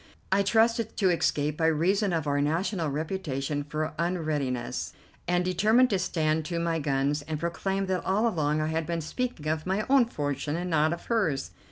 I trusted to escape by reason of our national reputation for unreadiness, and determined to stand to my guns and proclaim that all along I had been speaking of my own fortune and not of hers.